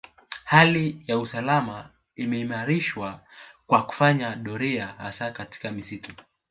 Hali ya usalama imeimarishwa kwa kufanya doria hasa katika misitu